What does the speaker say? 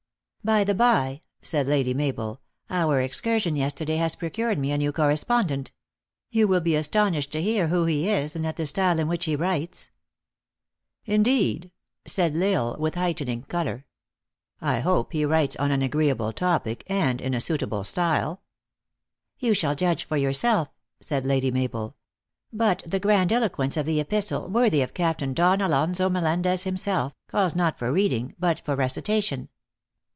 " By the bye," said Lady Mabel, "our excursion yesterday has procured me anew correspondent. You will be astonished to hear who he is, and at the style in which he writes." "Indeed!" said L Isle, with heightening color. I hope he writes on an agreeable topic, and in a suit able style ?" "You shall judge for yourself," said Lady Mabel. " But the grandiloquence of the epistle, worthy of Captain Don Alonzo Melendez himself, calls not for reading, but recitation.